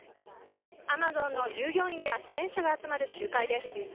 アマゾンの従業員や支援者が集まる集会です。